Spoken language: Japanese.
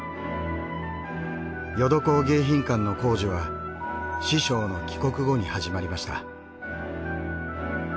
『ヨドコウ迎賓館』の工事は師匠の帰国後に始まりました。